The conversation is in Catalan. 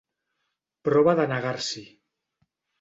Prova de negar-s'hi.